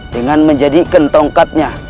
dengan menjadikan tongkatnya